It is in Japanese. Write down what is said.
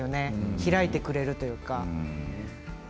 開いてくれるというか。